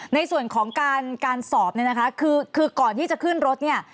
ในส่วนของการสอบคือก่อนที่จะขึ้นรถ